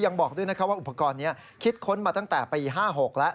ยังบอกด้วยนะครับว่าอุปกรณ์นี้คิดค้นมาตั้งแต่ปี๕๖แล้ว